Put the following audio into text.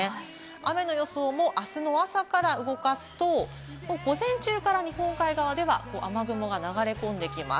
雨の予想も、あす朝から動かすと、午前中から日本海側では雨雲が流れ込んできます。